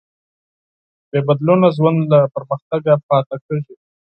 بېبدلونه ژوند له پرمختګه پاتې کېږي.